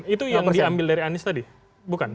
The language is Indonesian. itu yang diambil dari anies tadi bukan